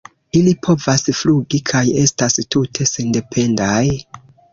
Ili povas flugi kaj estas tute sendependaj.